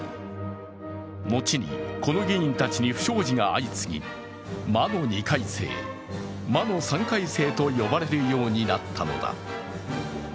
後に、この議員たちに不祥事が相次ぎ魔の２回生、魔の３回生と呼ばれるようになったのだ。